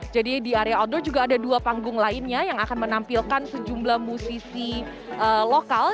jadi di area outdoor juga ada dua panggung lainnya yang akan menampilkan sejumlah musisi lokal